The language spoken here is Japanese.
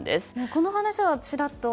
この話はちらっと。